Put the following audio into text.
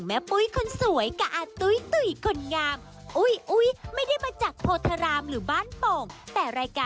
มาทักกรุณพี่นิดเดียวเป็นเรื่องเลยค่ะ